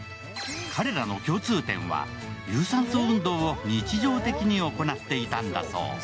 彼らの共通点は、有酸素運動を日常的に行っていたんだそう。